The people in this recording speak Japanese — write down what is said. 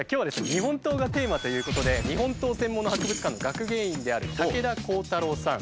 日本刀がテーマということで日本刀専門の博物館の学芸員である武田耕太郎さん。